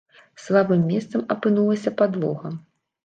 Слабым месцам апынулася падлога.